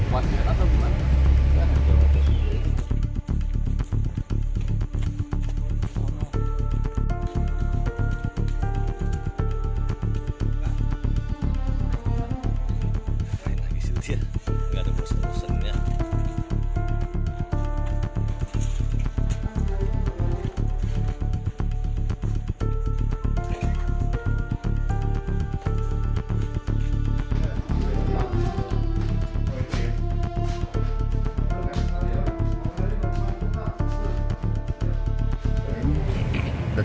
wajar atau bukan